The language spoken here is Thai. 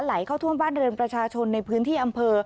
ไหลเข้าท่วมบ้านเรือนประชาชนในพื้นที่อำเภอ